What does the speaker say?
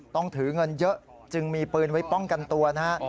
ต้องถือเงินเยอะจึงมีปืนไว้ป้องกันตัวนะฮะ